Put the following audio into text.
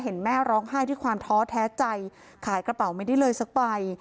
เห็นแม่ร้องไห้ด้วยความท้อแท้ใจขายกระเป๋าไม่ได้เลยสักใบ